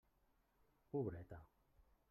Pobreta!